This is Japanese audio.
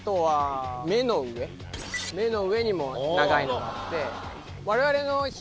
目の上にも長いのがあって。